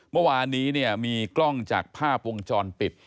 เมื่อวานนี้เนี่ยมีกล้องจากภาพวงจรปิด